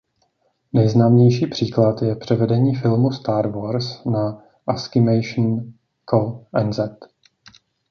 Nejznámější příklad je převedení filmu Star Wars na asciimation.co.nz.